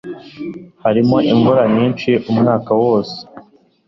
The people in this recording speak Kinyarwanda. Hariho imvura nyinshi umwaka wose.